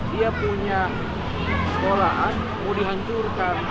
dia punya sekolahan mau dihancurkan